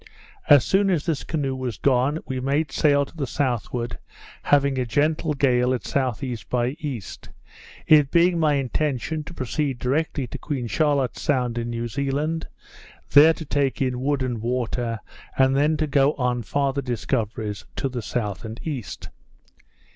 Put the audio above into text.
As soon as this canoe was gone, we made sail to the southward, having a gentle gale at S.E. by E.; it being my intention to proceed directly to Queen Charlotte's Sound in New Zealand, there to take in wood and water, and then to go on farther discoveries to the south and east.